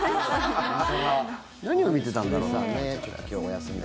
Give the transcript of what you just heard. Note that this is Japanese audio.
何を見てたんだろう。